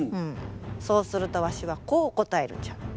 そうするとわしはこう答えるんじゃ。